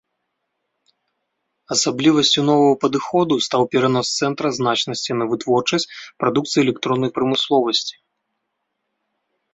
Асаблівасцю новага падыходу стаў перанос цэнтра значнасці на вытворчасць прадукцыі электроннай прамысловасці.